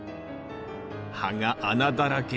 葉が穴だらけ。